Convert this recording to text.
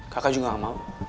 kakak juga gak mau